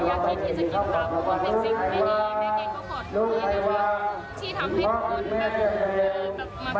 อยากให้ที่จะกินป่าวพูดแบบสิ่งไม่ดีแบบนี้ก็บอกทุกทีนะครับ